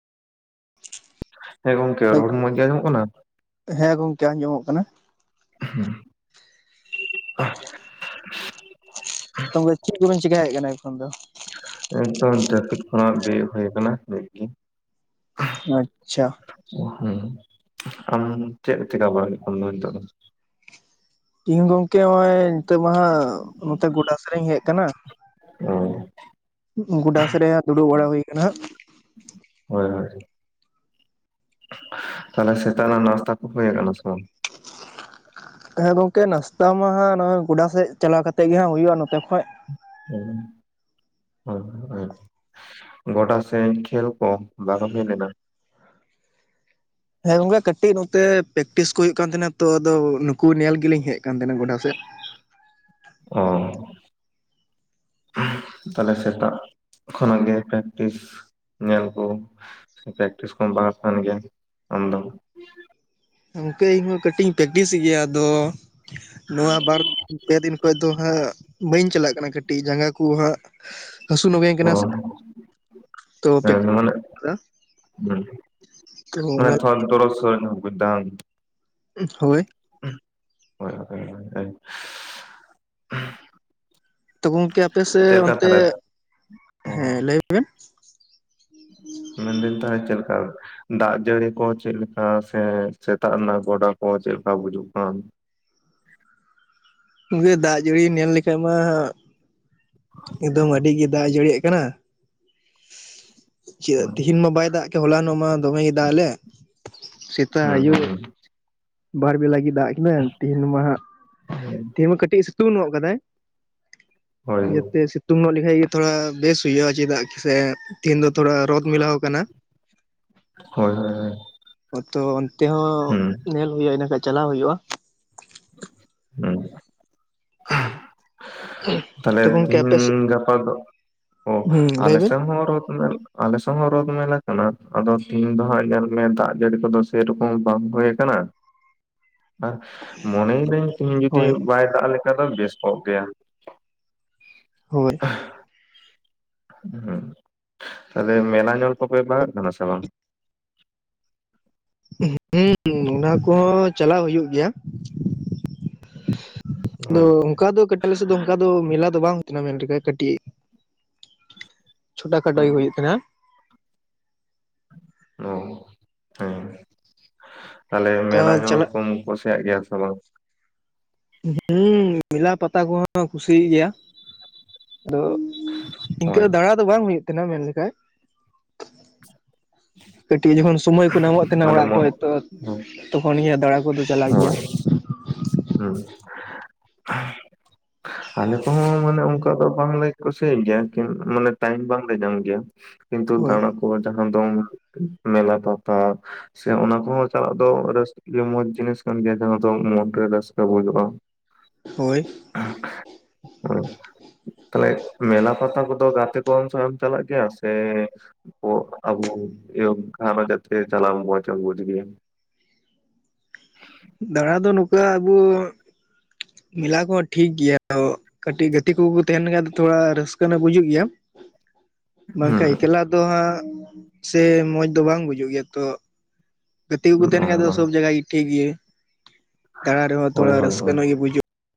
ᱦᱮᱸ ᱜᱚᱢᱠᱮ ᱨᱚᱲ ᱢᱚᱸᱡᱽ ᱜᱮᱸ ᱟᱡᱚᱢᱚᱜ ᱠᱟᱱᱟ ᱦᱮᱸ ᱜᱚᱢᱠᱮ ᱟᱸᱡᱚᱢᱚᱜ ᱠᱟᱱᱟ [unintelligible] [inaudible] ᱛᱚᱵᱮ ᱪᱮᱫ ᱠᱚᱵᱮᱱ ᱪᱤᱠᱟᱭᱮᱫ ᱠᱟᱱᱟ ᱮᱠᱷᱚᱱ ᱫᱚ ᱱᱮᱛᱚᱜ ᱡᱟᱹᱯᱤᱫ ᱠᱷᱚᱱᱟᱜ ᱵᱮᱨᱮᱫ ᱦᱩᱭ ᱟᱠᱟᱱᱟ ᱱᱤᱫ ᱜᱮ [inaudible] ᱟᱪᱪᱷᱟ ᱦᱩᱸ ᱟᱢ ᱪᱮᱫ ᱪᱤᱠᱟ ᱵᱟᱰᱟ ᱦᱩᱭᱩᱜ ᱠᱟᱱᱟ ᱱᱤᱛᱚᱜ ᱫᱚ ᱤᱧ ᱜᱚᱢᱠᱮ ᱱᱚᱼᱚᱭ ᱱᱤᱛᱚᱜ ᱢᱟᱦᱟᱜ ᱱᱚᱛᱮ ᱜᱚᱰᱟ ᱥᱮᱫᱤᱧ ᱦᱮᱡ ᱟᱠᱟᱱᱟ ᱚ ᱜᱚᱰᱟ ᱥᱮᱡᱨᱮ ᱫᱩᱲᱩᱵ ᱵᱟᱲᱟ ᱦᱩᱭ ᱠᱟᱱᱟ ᱦᱳᱭ ᱦᱳᱭ ᱛᱟᱦᱚᱞᱮ ᱥᱮᱛᱟᱜ ᱱᱟᱜ ᱱᱟᱥᱛᱟ ᱠᱚ ᱦᱩᱭ ᱠᱟᱱᱟ ᱥᱮ ᱵᱟᱝ? ᱦᱮᱸ ᱜᱚᱢᱠᱮ ᱱᱟᱥᱛᱟ ᱢᱟ ᱦᱟᱸᱜ ᱱᱚᱼᱚᱭ ᱜᱚᱰᱟ ᱥᱮᱡ ᱪᱟᱞᱟᱣ ᱠᱟᱛᱮ ᱜᱮ ᱦᱟᱸᱜ ᱦᱩᱭᱩᱜᱼᱟ ᱱᱚᱛᱮ ᱠᱷᱚᱡ [unintelligible] ᱜᱚᱰᱟ ᱥᱮᱱ ᱠᱷᱮᱞ ᱠᱚ ᱵᱟᱝᱟᱜ ᱦᱩᱭ ᱞᱮᱱᱟ ᱦᱮᱸ ᱜᱚᱢᱠᱮ, ᱠᱟᱹᱴᱤᱡ ᱱᱚᱛᱮ ᱯᱮᱠᱴᱤᱥ ᱠᱚ ᱦᱩᱭᱩᱜ ᱠᱟᱱ ᱛᱟᱦᱮᱸᱱᱟ ᱛᱚ ᱟᱫᱚ ᱱᱩᱠᱩ ᱧᱮᱞ ᱜᱮᱞᱤᱧ ᱦᱮᱡ ᱠᱟᱱ ᱛᱟᱦᱮᱸᱱᱟ ᱜᱚᱰᱟ ᱥᱮᱫ᱾ [inaudible] ᱚ ᱛᱟᱦᱞᱮ ᱥᱮᱛᱟᱜ ᱠᱷᱚᱱᱟᱜ ᱜᱮ ᱯᱮᱠᱴᱤᱥ ᱧᱮᱞ ᱠᱚ ᱯᱮᱠᱴᱤᱥ ᱠᱚ ᱵᱟᱝᱜ ᱠᱟᱱ ᱜᱮᱭᱟ ᱟᱢᱫᱚ ᱤᱱᱠᱟᱹ ᱤᱧᱦᱚᱸ ᱠᱟᱹᱴᱤᱡ ᱤᱧ ᱯᱮᱠᱴᱤᱥ ᱜᱮᱭᱟ ᱟᱫᱚ ᱱᱚᱣᱟ ᱵᱟᱨ ᱯᱮ ᱫᱤᱱ ᱠᱷᱚᱡ ᱫᱚ ᱦᱟᱸᱜ ᱵᱟᱹᱧ ᱪᱟᱞᱟᱜ ᱠᱟᱱᱟ ᱠᱟᱹᱴᱤᱡ ᱡᱟᱸᱜᱟ ᱠᱚ ᱦᱟᱸᱜ ᱦᱟᱹᱥᱩ ᱱᱚᱜᱮᱧ ᱚ ᱠᱟᱱᱟ ᱥᱮ [inaudible] ᱛᱚ ᱦᱮᱸ ᱢᱟᱱᱮ [unintelligible] ᱛᱚ ᱚᱱᱟ [unintelligible] ᱦᱳᱭ ᱦᱚᱭ ᱦᱚᱭ [inaudible] ᱛᱚ ᱜᱚᱢᱠᱮ ᱟᱯᱮᱥᱮ ᱪᱮᱫ ᱞᱮᱠᱟ ᱚᱱᱛᱮ ᱛᱟᱦᱚᱞᱮ [inaudible] ᱦᱮᱸ ᱞᱟᱹᱭ ᱵᱮᱱ ᱢᱮᱱ ᱫᱤᱧ ᱛᱟᱦᱮ ᱪᱮᱞ ᱞᱮᱠᱟ ᱫᱟᱜ ᱡᱟᱹᱲᱤ ᱠᱚ ᱪᱮᱫ ᱞᱮᱠᱟ ᱥᱮ ᱥᱮᱛᱟᱜ ᱨᱮᱱᱟᱜ ᱜᱚᱰᱟ ᱠᱚ ᱪᱮᱫ ᱞᱮᱠᱟ ᱵᱩᱡᱩᱜ ᱠᱟᱱ? [unintelligible] ᱫᱟᱜ ᱡᱟᱹᱲᱤ ᱧᱮᱞ ᱞᱮᱠᱷᱟᱡ ᱢᱟ ᱮᱠᱫᱚᱢ ᱟᱹᱰᱤ ᱜᱮ ᱫᱟᱜ ᱡᱟᱹᱲᱤᱭᱟᱜ ᱠᱟᱱᱟ ᱪᱮᱫ ᱛᱮᱦᱤᱧ ᱢᱟ ᱵᱟᱭ ᱫᱟᱜ ᱠᱮᱫ ᱦᱚᱞᱟᱱᱚᱜ ᱢᱟ ᱫᱚᱢᱮᱭ ᱫᱟᱜᱞᱮᱫ [inaudible] ᱥᱤᱼᱼ ᱦᱩᱸ ᱦᱩᱸ ᱦᱩᱸ ᱵᱟᱨ ᱵᱮᱞᱟ ᱜᱮ ᱫᱟᱜ ᱠᱮᱫᱟᱭ ᱛᱮᱦᱤᱧ ᱢᱟ ᱦᱟᱜ [inaudible] ᱛᱮᱦᱤᱧ ᱢᱟ ᱠᱟᱹᱴᱤᱡ ᱥᱤᱛᱩᱝ ᱱᱚᱜ ᱠᱟᱫᱟᱭ ᱦᱳᱭ [inaudible] ᱡᱛᱮ ᱥᱤ ᱥᱤᱩᱛᱩᱝ ᱧᱚᱜ ᱞᱮᱠᱷᱟᱱᱡ ᱜᱮ ᱛᱷᱚᱲᱟ ᱵᱮᱥ ᱦᱩᱭᱩᱜᱼᱟ ᱪᱮᱫᱟᱜ ᱥᱮ ᱛᱮᱦᱤᱱᱧ ᱫᱚ ᱛᱷᱚᱲᱟ ᱨᱚᱛ ᱢᱮᱞᱟᱣ ᱟᱠᱟᱱᱟ ᱦᱳᱭ ᱦᱳᱭ [inaudible] ᱛᱚ ᱚᱱᱛᱮ ᱦᱚᱸ ᱦᱩᱸ ᱧᱮᱞ ᱦᱩᱭᱩᱼᱟ ᱤᱱᱟᱠᱷᱟᱱ ᱪᱟᱞᱟᱣ ᱦᱩᱭᱩᱜᱼᱟ, ᱦᱮᱸ ᱛᱟᱦᱞᱮ ᱛᱚ ᱜᱚᱝᱠᱮ ᱟᱯᱮ ᱥᱮᱫ ᱛᱤᱦᱤᱱ ᱜᱟᱯᱟ ᱫᱚ ᱚ ᱦᱩᱸ ᱞᱟᱹᱭ ᱵᱮᱱ ᱟᱞᱮᱥᱟᱣ ᱦᱚᱸ ᱨᱚᱛ ᱧᱮ ᱟᱞᱮ ᱥᱟᱣ ᱦᱚᱸ ᱨᱳᱫ ᱢᱮᱞᱟ ᱠᱟᱱᱟ, ᱟᱫᱚ ᱛᱮᱦᱧ ᱫᱚ ᱦᱟᱸᱜ ᱧᱮᱞ ᱢᱮ ᱫᱟᱜ ᱡᱟᱹᱲᱤ ᱠᱚᱫᱚ ᱥᱮᱨᱚᱠᱚᱢ ᱵᱟᱝ ᱦᱳᱭ ᱠᱟᱱᱟ ᱟᱨ ᱢᱚᱱᱮᱭ ᱫᱟᱹᱧ ᱛᱤᱦᱤᱧ ᱡᱩᱫᱤ ᱦᱳᱭ ᱵᱟᱭ ᱫᱟᱜ ᱞᱮᱠᱷᱟᱱ ᱫᱚ ᱵᱮᱥ ᱠᱚᱜ ᱜᱮᱭᱟ, ᱦᱳᱭ ᱦᱩᱸ ᱛᱟᱦᱞᱮ ᱢᱮᱞᱟ ᱧᱚᱞ ᱠᱚᱯᱮ ᱵᱟᱜᱟᱜ ᱠᱟᱱᱟ ᱥᱮ ᱵᱟᱝ, ᱦᱩᱸ ᱚᱱᱟ ᱠᱚᱦᱚᱸ ᱪᱟᱞᱟᱜ ᱦᱩᱭᱩᱜ ᱜᱮᱭᱟ ᱟᱫᱚ ᱦᱳᱭ ᱚᱱᱠᱟ ᱫᱚ ᱠᱟᱹᱴᱤᱜ ᱟᱞᱮᱥᱮᱫ ᱫᱚ ᱚᱱᱠᱟ ᱫᱚ ᱢᱮᱞᱟ ᱫᱚ ᱵᱟᱝ ᱦᱩᱭᱱᱟ ᱢᱮᱱ ᱞᱮᱠᱷ ᱠᱟᱹᱴᱤᱡ,, ᱪᱷᱚᱴᱟ ᱠᱷᱟᱴᱳ ᱜᱮ ᱦᱩᱭᱩᱜ ᱛᱟᱦᱮᱸᱱᱟ ᱚ ᱦᱮᱸ ᱛᱟᱦᱚᱞᱮ ᱢᱮᱞᱟ ᱛᱚ ᱦᱚᱸ ᱪᱟᱞᱟᱜ ᱠᱚᱢ ᱠᱩᱥᱤᱭᱟᱜ ᱜᱮᱭᱟ ᱥᱮ ᱵᱟᱝ ᱦᱩᱸ ᱢᱮᱞᱟ ᱯᱟᱛᱟ ᱠᱚᱦᱚᱸ ᱠᱩᱥᱤᱭᱟᱜ ᱜᱮᱭᱟ, ᱟᱫᱚ ᱤᱱᱠᱟᱹ ᱦᱳᱭ ᱫᱟᱲᱟ ᱫᱚ ᱵᱟᱝ ᱦᱩᱭᱩᱜ ᱛᱟᱦᱮᱱᱠ ᱢᱮᱱᱞᱮᱠᱷᱟᱡ ᱦᱮᱸ ᱠᱟᱹᱴᱤᱡ ᱡᱚᱠᱷᱚᱱ ᱥᱳᱢᱚᱭ ᱠᱚ ᱧᱟᱢᱚᱜ ᱛᱟᱦᱮᱸᱱᱟ ᱚᱲᱟᱜ ᱠᱷᱚᱱ ᱛᱚ ᱛᱚᱠᱷᱚᱱ ᱫᱟᱬᱟ ᱠᱚ ᱦᱳᱭ ᱦᱩᱸ ᱟᱞᱮ ᱠᱚᱦᱚᱸ ᱢᱟᱱᱮ ᱚᱱᱠᱟ ᱫᱚ ᱵᱟᱝᱞᱮ ᱠᱩᱥᱤᱭᱟᱜ ᱜᱮᱭᱟ ᱠᱤᱱ ᱢᱟᱱᱮ ᱴᱟᱭᱤᱢ ᱵᱟᱝᱞᱮ ᱧᱟᱢ ᱜᱮᱭᱟ, ᱠᱤᱱᱛᱩ ᱦᱳᱭ ᱛᱟᱲᱟᱢ ᱡᱟᱦᱟᱸ ᱫᱚᱝ ᱢᱮᱞᱟ ᱯᱟᱛᱟ ᱥᱮ ᱚᱱᱟ ᱠᱚᱦᱚᱸ ᱪᱟᱞᱟᱜ ᱫᱚ ᱨᱟᱹᱥ ᱢᱚᱸᱡᱽ, ᱡᱤᱱᱤᱥ ᱠᱟᱱ ᱜᱮᱭᱟ ᱡᱟᱦᱟᱸ ᱫᱚ ᱢᱚᱱᱨᱮ ᱨᱟᱹᱥᱠᱟᱹ ᱵᱩᱡᱟᱹᱜ-ᱟ ᱦᱳᱭ ᱛᱟᱦᱞᱮ ᱢᱮᱞᱟ ᱯᱟᱛᱟ ᱠᱚᱫᱚ ᱜᱟᱛᱮ ᱠᱚ ᱥᱮ ᱮᱢ ᱪᱟᱞᱟᱜ ᱜᱮᱭᱟ ᱥᱮ ᱟᱵᱚ [unintelligible] ᱠᱷᱟᱱ ᱡᱟᱛᱮ ᱪᱟᱞᱟᱣ ᱵᱩᱡᱽ ᱜᱮᱭᱟ ᱫᱟᱬᱟ ᱫᱚ ᱱᱚᱠᱟ ᱟᱵᱩ ᱢᱮᱞᱟ ᱠᱚᱦᱚᱸ ᱴᱷᱤᱠ ᱜᱮᱭᱟ, ᱠᱟᱹᱴᱤᱡ ᱜᱟᱛᱮ ᱠᱚᱠᱚ ᱛᱟᱦᱮᱱ ᱠᱷᱟᱱ ᱫᱚ ᱛᱷᱚᱲᱟ ᱨᱟᱹᱥᱠᱟᱹ ᱦᱚᱸ ᱵᱩᱡᱩᱜ ᱜᱮᱭᱟ, ᱵᱟᱝ ᱦᱩᱸ ᱠᱷᱟᱱ ᱮᱠᱞᱟ ᱫᱚ ᱦᱟᱸᱜ ᱥᱮ ᱢᱚᱸᱡᱽ ᱫᱚ ᱵᱟᱝ ᱵᱩᱡᱩᱜ ᱜᱮᱭᱟ ᱛᱚ, ᱜᱟᱛᱮ ᱠᱚᱠᱚ ᱛᱟᱦᱮᱱ ᱵᱟᱝ ᱠᱷᱟᱡ ᱫᱚ ᱵᱟᱝ ᱥᱚᱵ ᱡᱟᱭᱟ ᱜᱮ ᱴᱷᱤᱠ ᱜᱮᱭᱟ ᱫᱟᱬᱟ ᱨᱮᱦᱚᱸ ᱦᱳᱭ ᱛᱷᱚᱲᱟ ᱦᱳᱭ ᱨᱟᱹᱥᱠᱟᱹ ᱦᱳᱭ ᱧᱚᱜ ᱜᱮ ᱵᱩᱡᱷᱩᱜᱼᱟ